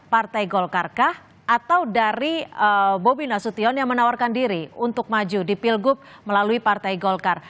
partai golkar kah atau dari bobi nasution yang menawarkan diri untuk maju di pilgub melalui partai golkar